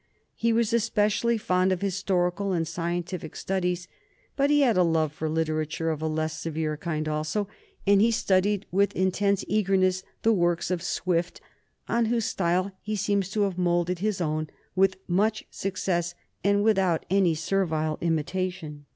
He was especially fond of historical and scientific studies, but he had a love for literature of a less severe kind also, and he studied with intense eagerness the works of Swift, on whose style he seems to have moulded his own with much success and without any servile imitation.